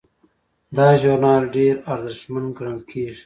دا ژورنال ډیر ارزښتمن ګڼل کیږي.